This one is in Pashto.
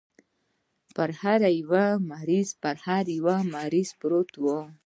پر هر يوه مريض پروت و.